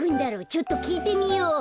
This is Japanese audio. ちょっときいてみよう。